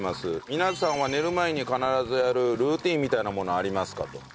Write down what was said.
皆さんは寝る前に必ずやるルーティーンみたいなものありますかと。